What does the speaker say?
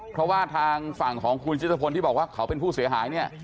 เพราะว่าทางฝั่งของคุณชิตพลที่บอกว่าเขาเป็นผู้เสียหายเนี่ย